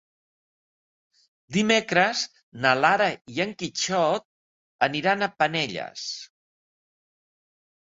Dimecres na Lara i en Quixot aniran a Penelles.